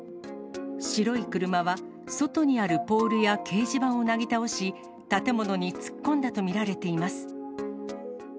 白い車は、外にあるポールや掲示板をなぎ倒し、建物に突っ込んだと見られています。